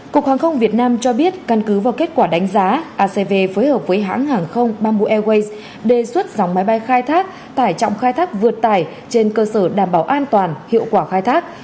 cục hàng không việt nam cho biết căn cứ vào kết quả đánh giá acv phối hợp với hãng hàng không bamboo airways đề xuất dòng máy bay khai thác tải trọng khai thác vượt tải trên cơ sở đảm bảo an toàn hiệu quả khai thác